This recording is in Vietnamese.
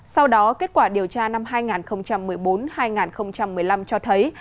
sau đó kết quả điều tra năm hai nghìn một mươi bốn hai nghìn một mươi năm cho thấy